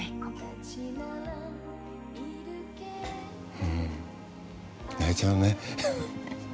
うん泣いちゃうね。